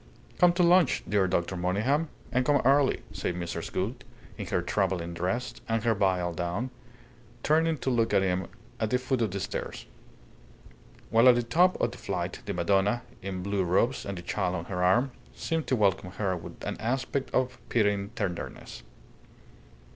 "Come to lunch, dear Dr. Monygham, and come early," said Mrs. Gould, in her travelling dress and her veil down, turning to look at him at the foot of the stairs; while at the top of the flight the Madonna, in blue robes and the Child on her arm, seemed to welcome her with an aspect of pitying tenderness.